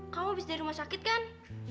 kamu habis dari rumah sakit kan